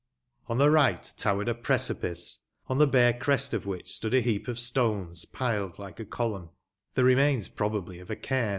On the right towered a precipice, on the bare crest of which stood a heap of stones, piled llke a column — ^the remains, pro bably, of a caim.